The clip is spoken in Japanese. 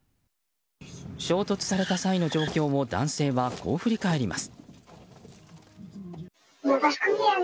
衝突された際の状況を男性はこう振り返ります。